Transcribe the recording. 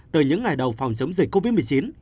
từ những ngày đầu phòng chống dịch covid một mươi chín